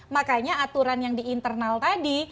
makanya aturan yang di internal tadi